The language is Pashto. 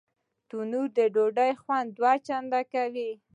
تنور د ډوډۍ خوند دوه چنده کوي